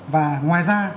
và ngoài ra